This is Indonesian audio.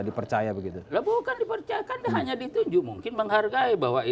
ditunjuk mungkin menghargai bahwa